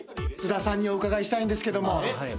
菅田さんにお伺いしたいんですけども。